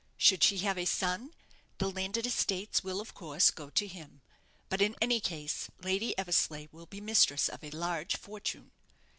Should she have a son, the landed estates will, of course, go to him; but in any case, Lady Eversleigh will be mistress of a large fortune.